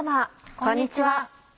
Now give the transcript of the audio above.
こんにちは。